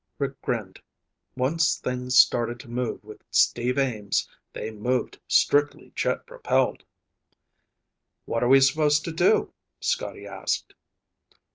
Rick grinned. Once things started to move with Steve Ames, they moved strictly jet propelled. "What are we supposed to do?" Scotty asked.